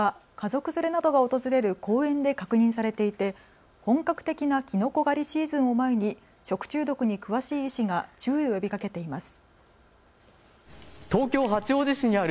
首都圏の各地でも山林のほか家族連れなどが訪れる公園で確認されていて本格的なきのこ狩りシーズンを前に食中毒に詳しい医師が注意を呼びかけています。